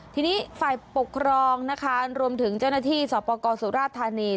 ทีนี้ฝ่ายปกครองนะคะรวมถึงเจ้าหน้าที่สอบประกอบสุราธานี